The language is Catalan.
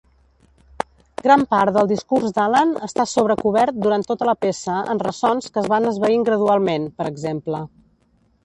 Gran part del discurs d'Alan està sobre-cobert durant tota la peça en ressons que es van esvaint gradualment, per exemple.